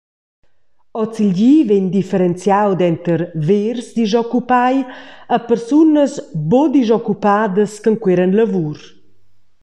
Ozilgi vegn differenziau denter «vers» disoccupai e persunas «buca disoccupadas ch’enqueran lavur».